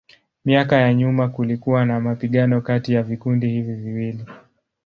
Miaka ya nyuma kulikuwa na mapigano kati ya vikundi hivi viwili.